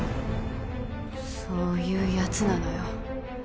そういう奴なのよ